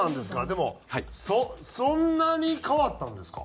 でもそんなに変わったんですか？